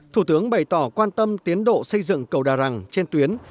thủ tướng bày tỏ quan tâm tiến độ xây dựng cầu đà rẳng trên tuyến